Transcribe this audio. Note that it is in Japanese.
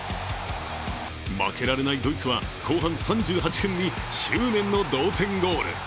負けられないドイツは後半３８分に執念の同点ゴール。